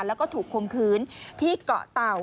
และถูกคงคืนที่เกาะเตา